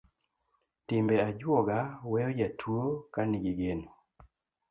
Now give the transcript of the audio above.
Timbe ajuoga weyo jatuo ka nigi geno.